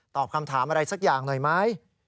ตอบคำถามอะไรสักอย่างหน่อยไหม